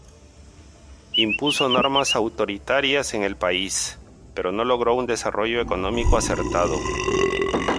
Impuso normas autoritarias en el país, pero no logró un desarrollo económico acertado.